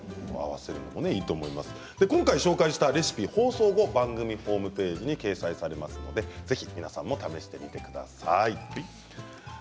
今回紹介したレシピ放送後、番組ホームページに掲載されますのでぜひ皆さんも試してみてください。